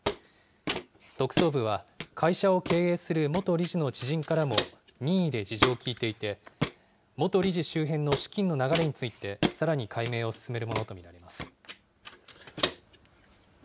特捜部は会社を経営する元理事の知人からも任意で事情を聴いていて、元理事周辺の資金の流れについて、さらに解明を進めるものと見られます。